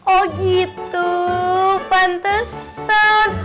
oh gitu pantesan